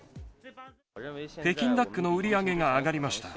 北京ダックの売り上げが上がりました。